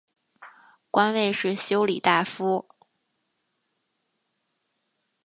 官位是修理大夫。